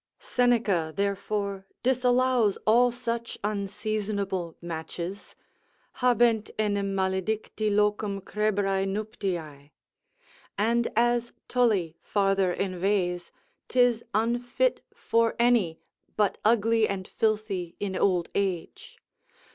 Seneca therefore disallows all such unseasonable matches, habent enim maledicti locum crebrae nuptiae. And as Tully farther inveighs, 'tis unfit for any, but ugly and filthy in old age.